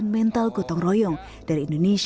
ini material yang bagus